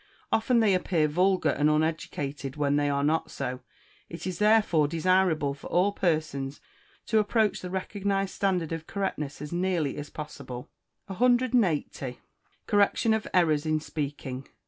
Often they appear vulgar and uneducated, when they are not so. It is, therefore, desirable for all persons to approach the recognised standard of correctness as nearly as possible. 180. Correction of Errors in Speaking.